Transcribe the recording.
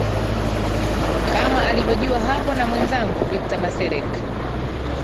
kama alivyojiwa hapo na mwenzangu victor macsedek